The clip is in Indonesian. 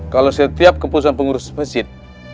kalau setiap keputusan pengurus masjid